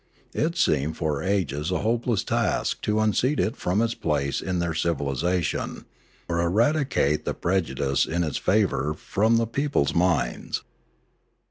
It seemed for ages a hopeless task to unseat it from its place in their civilis ation, or eradicate the prejudice in its favour from the people's minds.